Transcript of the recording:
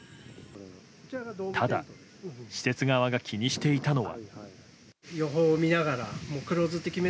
ただ、施設側が気にしていたのは。